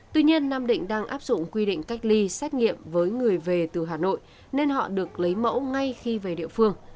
tuy nhiên nam định đang áp dụng quy định cách ly xét nghiệm với người về từ hà nội nên họ được lấy mẫu ngay khi về địa phương